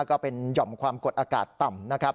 ก็เป็นหย่อมความกดอากาศต่ำนะครับ